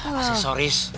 apa sih soris